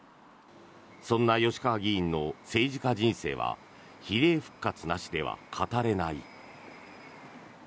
そんな吉川議員の政治家人生は比例復活なしでは語れない。